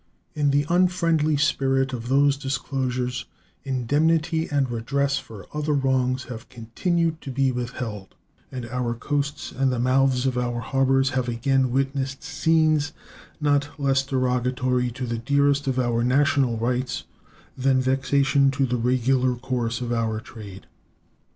In the unfriendly spirit of those disclosures indemnity and redress for other wrongs have continued to be withheld, and our coasts and the mouths of our harbors have again witnessed scenes not less derogatory to the dearest of our national rights than vexation to the regular course of our trade.